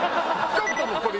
ちょっともうこれ。